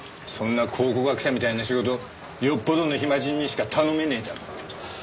そんな考古学者みたいな仕事よっぽどの暇人にしか頼めねえだろ。